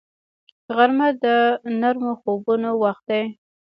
غرمه د نرمو خوبونو وخت دی